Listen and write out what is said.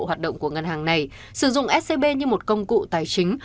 hoạt động của ngân hàng này sử dụng scb như một công cụ tài chính